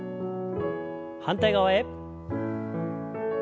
反対側へ。